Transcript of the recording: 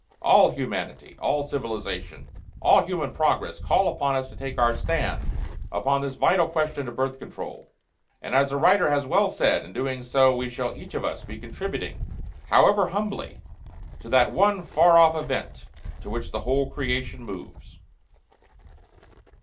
All humanity, all civilization, all human progress, call upon us to take our stand upon this vital question of Birth Control. And, as a writer has well said, in doing so we shall each of us be contributing, however humbly, to that "one far off event, to which the whole creation moves."